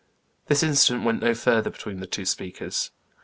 This incident went no further between the two speakers.